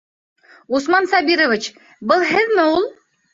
Усман Сабирович, был һеҙме ул?